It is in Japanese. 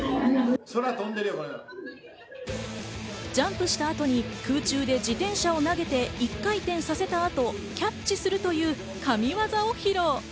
ジャンプした後に空中で自転車を投げて１回転させた後、キャッチするという神技を披露。